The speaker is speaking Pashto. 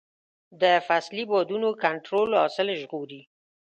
د فصلي بادونو کنټرول حاصل ژغوري.